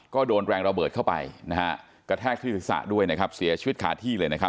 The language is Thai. ก็โดนแรงระเบิดเข้าไปนะฮะกระแทกธ